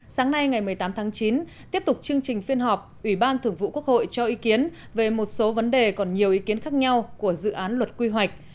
sáng nay ngày một mươi tám tháng chín tiếp tục chương trình phiên họp ủy ban thường vụ quốc hội cho ý kiến về một số vấn đề còn nhiều ý kiến khác nhau của dự án luật quy hoạch